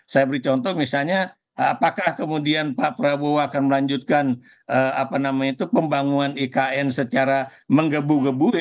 saya beri contoh misalnya apakah kemudian pak prabowo akan melanjutkan pembangunan ikn secara menggebu gebu